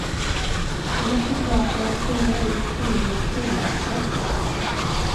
Jag måste tillbaka och auktionera ut familjens prydnadssaker.